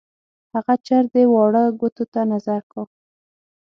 هغه چر دی واړه ګوتو ته نظر کا.